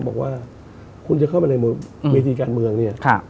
บอกว่าคุณจะเข้ามาในเวทีการเมืองเนี่ย